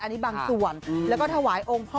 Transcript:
อันนี้บางส่วนแล้วก็ถวายองค์พ่อ